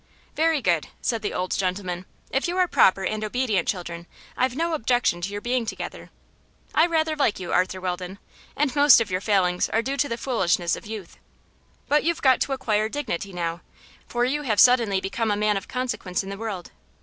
"Very good," said the old gentleman; "if you are proper and obedient children I've no objection to your being together. I rather like you, Arthur Weldon, and most of your failings are due to the foolishness of youth. But you've got to acquire dignity now, for you have suddenly become a man of consequence in the world.